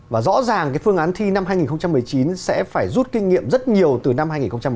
và rõ ràng phương án thi năm hai nghìn một mươi chín sẽ phải rút kinh nghiệm rất nhiều từ năm hai nghìn một mươi chín